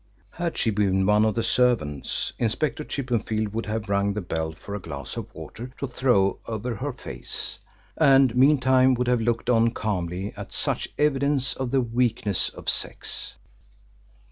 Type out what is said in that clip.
Had she been one of the servants Inspector Chippenfield would have rung the bell for a glass of water to throw over her face, and meantime would have looked on calmly at such evidence of the weakness of sex.